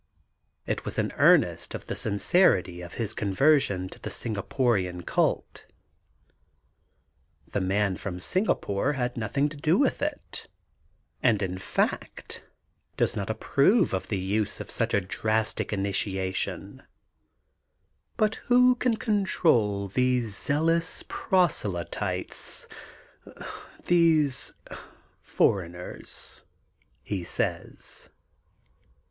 It was an earnest of th^ sincerity of his conversion to the Singa porian cult. The Man from Singapore had nothing to do with it and, in fact, does not approve of the use of such a drastic initiation, But who can control these zealous prose lytes, these foreigners f he says.